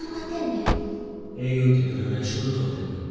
営業行ってどれぐらい仕事取れてんの？